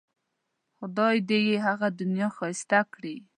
خدای دې یې هغه دنیا ښایسته کړي.